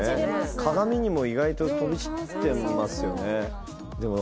鏡にも意外と飛び散ってますよね